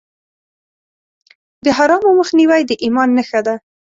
د حرامو مخنیوی د ایمان نښه ده.